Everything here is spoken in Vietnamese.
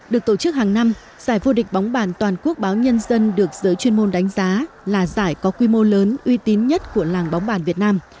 được tổ chức hàng năm giải vô địch bóng bàn toàn quốc báo nhân dân được giới chuyên môn đánh giá là giải có quy mô lớn uy tín nhất của làng bóng bàn việt nam